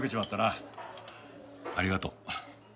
ありがとう。